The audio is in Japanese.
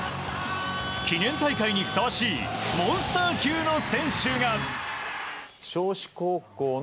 記念大会にふさわしいモンスター級の選手が。